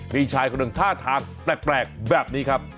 มีชายคนหนึ่งท่าทางแปลกแบบนี้ครับ